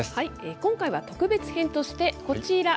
今回は特別編として、こちら。